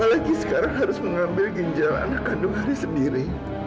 apalagi sekarang harus mengambil ginjal anak kandung haris sendiri